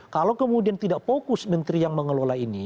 kalau kemudian tidak fokus menteri yang mengelola ini